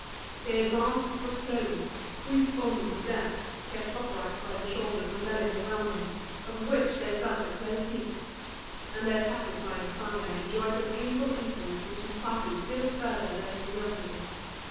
They advanced but slowly, squeezed almost to death, kept upright by the shoulders and bellies around them, of which they felt the close heat; and their satisfied desire enjoyed the painful entrance which incited still further their curiosity.